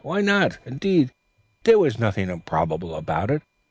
Why not, indeed? There was nothing improbable about it.